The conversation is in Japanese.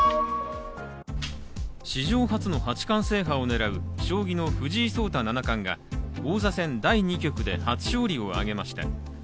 史上初の八冠制覇を狙う将棋の藤井聡太七冠が王座戦第２局で初勝利を挙げました。